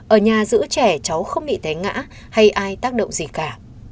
ở nhà giữ trẻ cháu không bị té ngã hay ai tác động gì cả